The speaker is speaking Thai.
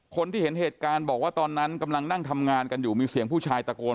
คนที่เห็นเหตุการณ์บอกว่าตอนนั้นกำลังนั่งทำงานกันอยู่มีเสียงผู้ชายตะโกน